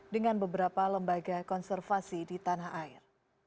dengan beberapa lembaga konservasi di tanah air